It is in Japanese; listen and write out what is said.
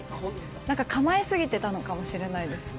なんか構えすぎてたのかもしれないです。